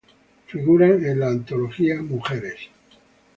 Figura en la antología "Mujeres.